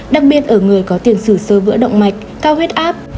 đặc biệt ở người có tiền sử sơ vữa động mạch cao huyết áp